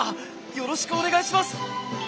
よろしくお願いします！